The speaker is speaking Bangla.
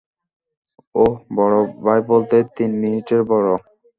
ওহ বড় ভাই বলতে, তিন মিনিটের বড়।